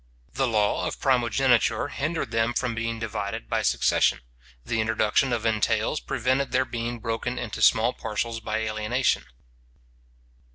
The law of primogeniture hindered them from being divided by succession; the introduction of entails prevented their being broke into small parcels by alienation.